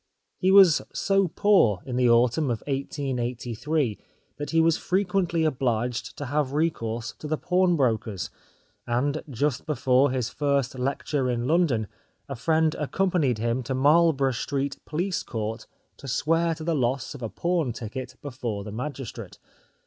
He was so poor in the autumn of 1883 that he was frequently obliged to have recourse to the pawnbrokers, and just before his first lecture in London, a friend accompanied him to Marlborough Street Police Court to swear to the loss of a pawn ticket before the magistrate.